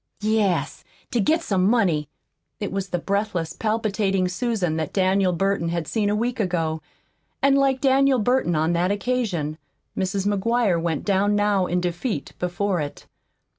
"Yes, to get some money." It was the breathless, palpitating Susan that Daniel Burton had seen a week ago, and like Daniel Burton on that occasion, Mrs. McGuire went down now in defeat before it.